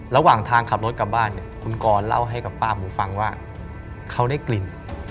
ระหว่างทางขับรถกลับบ้านเนี่ยคุณกรเล่าให้กับป้าหมูฟังว่าเขาได้กลิ่น